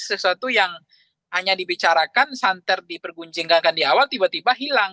sesuatu yang hanya dibicarakan santer diperguncingkan di awal tiba tiba hilang